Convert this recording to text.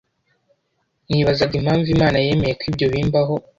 nibazaga impamvu Imana yemeye ko ibyo bimbaho